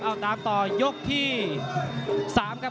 เอาตามต่อยกที่๓ครับ